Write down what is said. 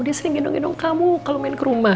dia sering gendong gendong kamu kalau main ke rumah